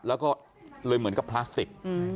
แล้วก็เลยเหมือนกับพลาสติก